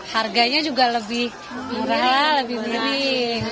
harganya juga lebih murah lebih murah